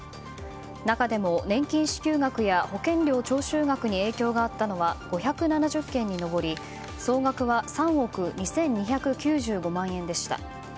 中でも年金支給額や保険料徴収額に影響があったのは５７０件に上り総額は３億２２９５万円でした。